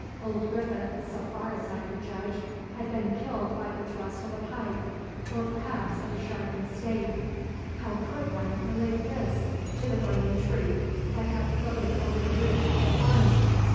Old Griffith, so far as I could judge, had been killed by the thrust of a pike or perhaps of a sharpened stake: how could one relate this to the burning tree that had floated over the ridge of the barn.